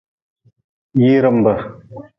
Yiirimb.